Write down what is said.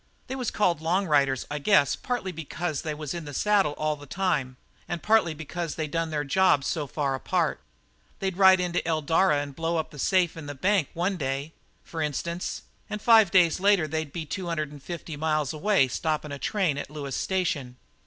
They was called long riders, I guess, partly because they was in the saddle all the time, and partly because they done their jobs so far apart. They'd ride into Eldara and blow up the safe in the bank one day, for instance, and five days later they'd be two hundred and fifty miles away stoppin' a train at Lewis Station.